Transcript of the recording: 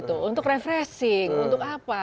untuk refreshing untuk apa